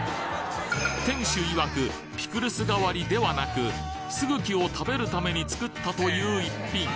店主いわくピクルス代わりではなくすぐきを食べるために作ったという一品